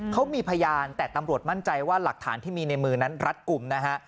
เขามีพยานแต่ตำรวจมั่นใจว่าหลักฐานที่มีในมือนั้นรัดกลุ่มนะฮะ